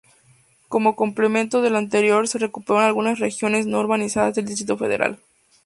Como complemento de lo anterior, se recuperaron algunas regiones no urbanizadas del Distrito Federal.